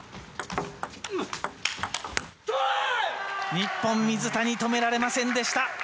日本、水谷止められませんでした。